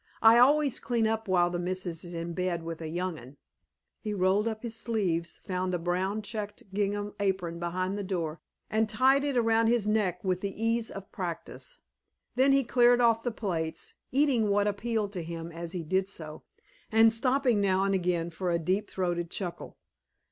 I always clean up while the missus is in bed with a young un." He rolled up his sleeves, found a brown checked gingham apron behind the door, and tied it around his neck with the ease of practice. Then he cleared off the plates, eating what appealed to him as he did so, and stopping now and again for a deep throated chuckle.